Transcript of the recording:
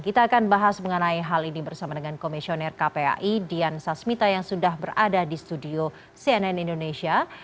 kita akan bahas mengenai hal ini bersama dengan komisioner kpai dian sasmita yang sudah berada di studio cnn indonesia